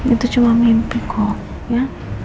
itu cuma mimpi kok ya